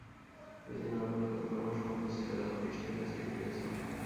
যদি না পার, তবে বরং সম্পদ ছেড়ে দাও, খ্রীষ্টের কাছেই ফিরে চল।